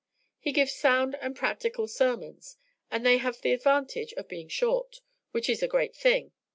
He gives sound and practical sermons, and they have the advantage of being short, which is a great thing.